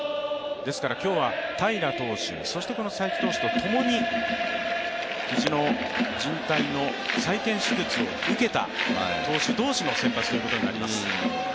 ですから今日は、平良投手そしてこの才木投手と、ともに肘のじん帯の再建手術を受けた投手同士の先発となります。